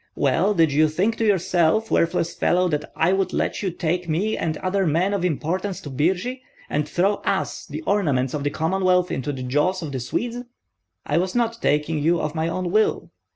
Well, did you think to yourself, worthless fellow, that I would let you take me and other men of importance to Birji, and throw us, the ornaments of the Commonwealth, into the jaws of the Swedes?" "I was not taking you of my own will."